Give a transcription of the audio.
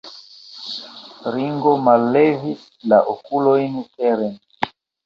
Ringo mallevis la okulojn teren.